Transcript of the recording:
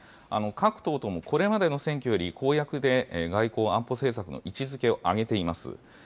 各党とも、これまでの選挙より、公約で外交・安保政策の位置づけをあげています。